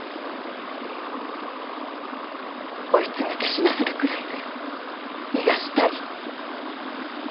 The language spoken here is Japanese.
追い詰めて死なせるくらいなら逃がしたい。